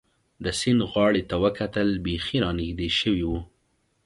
د سیند غاړې ته وکتل، بېخي را نږدې شوي و.